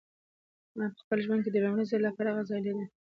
ما په خپل ژوند کې د لومړي ځل لپاره هغه ځای لیده.